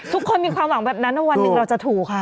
มีความหวังแบบนั้นวันหนึ่งเราจะถูกค่ะ